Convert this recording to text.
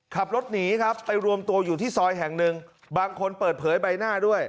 ขับรถหนีครับไปรวมตัวอยู่ที่ซอยแห่งหนึ่งบางคนเปิดเผยใบหน้าด้วย